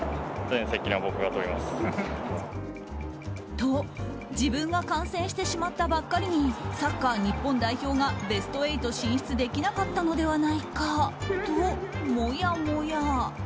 と、自分が観戦してしまったばっかりにサッカー日本代表がベスト８進出できなかったのではないかと、もやもや。